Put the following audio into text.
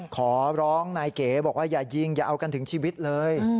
ขอร้องนายเก๋บอกว่าอย่ายิงอย่าเอากันถึงชีวิตเลย